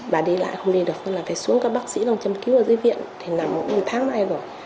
bà đi lại không đi được nên là phải xuống các bác sĩ đang chăm cứu ở dưới viện thì là mỗi tháng này rồi